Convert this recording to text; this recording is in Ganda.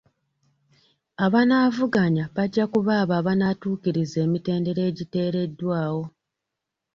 Abanaavuganya bajja kuba abo abanaatuukiriza emitendera agiteereddwawo.